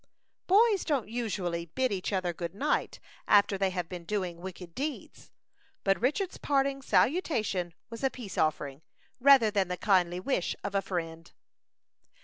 Boys don't usually bid each other good night after they have been doing wicked deeds; and Richard's parting salutation was a peace offering, rather than the kindly wish of a friend.